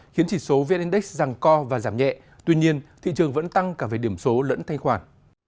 khiến chỉ số vn index ràng co và giảm nhẹ tuy nhiên thị trường vẫn tăng cả về điểm số lẫn thanh khoản